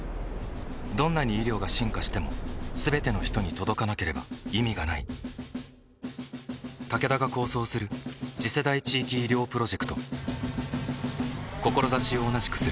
どんなに医療が進化しても全ての人に届かなければ意味がないタケダが構想する次世代地域医療プロジェクト志を同じくするあらゆるパートナーと手を組んで実用化に挑む